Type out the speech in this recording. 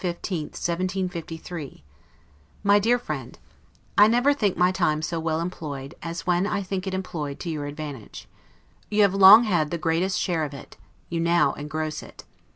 LETTER CLXXXVI LONDON, January 15, 1753 MY DEAR FRIEND: I never think my time so well employed, as when I think it employed to your advantage. You have long had the greatest share of it; you now engross it.